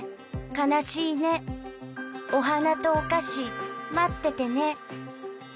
かなしいねおはなとおかしまっててね。